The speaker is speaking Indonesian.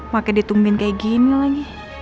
pakai ditumbin kayak gini lagi